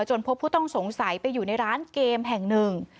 พบผู้ต้องสงสัยไปอยู่ในร้านเกมแห่งหนึ่ง